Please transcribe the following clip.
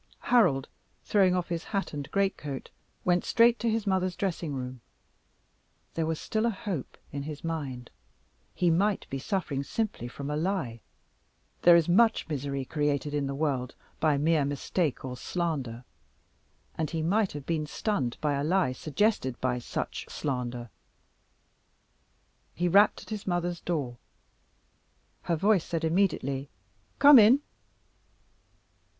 Harold throwing off his hat and greatcoat, went straight to his mother's dressing room. There was still a hope in his mind. He might be suffering simply from a lie. There is much misery created in the world by mere mistake or slander, and he might have been stunned by a lie suggested by such slander. He rapped at his mother's door. Her voice said immediately, "Come in."